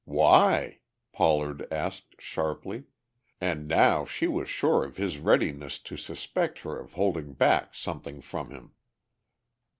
"Why?" Pollard asked sharply, and now she was sure of his readiness to suspect her of holding back something from him.